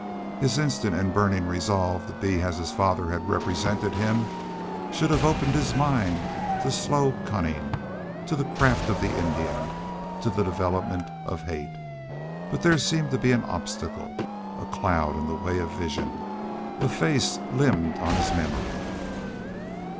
His instant and burning resolve to be as his father had represented him should have opened his mind to slow cunning, to the craft of the Indian, to the development of hate. But there seemed to be an obstacle. A cloud in the way of vision. A face limned on his memory.